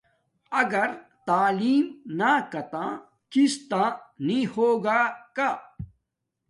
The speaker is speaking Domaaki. اگر تعلم ناکاتہ کستا نی ہو گا کا